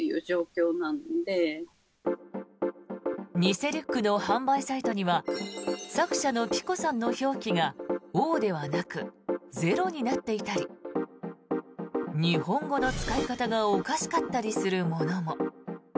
偽リュックの販売サイトには作者のｐｉｃｏさんの表記が「ｏ」ではなく「０」になっていたり日本語の使い方がおかしかったりするものも。